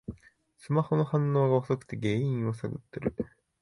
スマホの反応が遅くて原因を探ってる